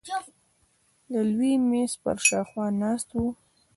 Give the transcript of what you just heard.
د لوی مېز پر شاوخوا ناست وو.